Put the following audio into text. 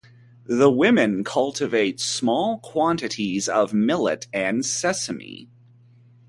The women cultivate small quantities of millet and sesame.